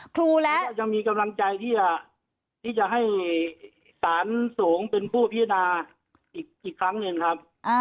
ยังมีกำลังใจที่จะให้สารสูงเป็นผู้พิจารณาอีกครั้งหนึ่งครับ